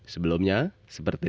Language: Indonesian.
sebelumnya seperti ini